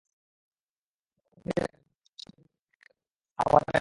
আবু হাসানকে ঘিরে রাখা জনতার সারি ভেদ করতে করতে সে আবু হাসানের কাছে আসে।